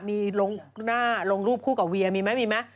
มีลงหน้าลงรูปคู่กับเวียมีไหมมีไหม